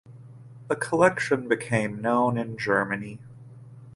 The collection became known in Germany.